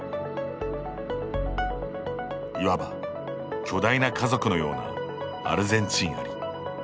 いわば、巨大な家族のようなアルゼンチンアリ。